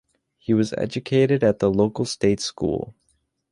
He was educated at the local state school.